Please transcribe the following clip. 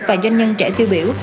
và doanh nhân trẻ tiêu biểu